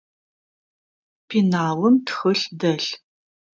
Пеналым тхылъ дэлъ.